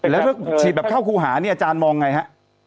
แล้วถึงฉีดเข้าครูหาอาจารย์มองไงฮะ